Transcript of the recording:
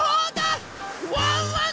ワンワン